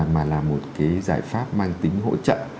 mà là một cái giải pháp mang tính hỗ trợ